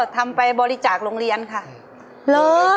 ทำไปบริจาคโรงเรียนค่ะ